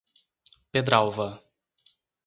Pedralva